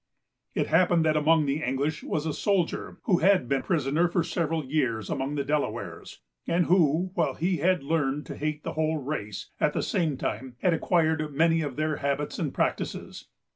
It happened that among the English was a soldier who had been prisoner, for several years, among the Delawares, and who, while he had learned to hate the whole race, at the same time had acquired many of their habits and practices.